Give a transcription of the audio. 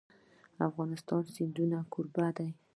افغانستان د سیندونه کوربه دی.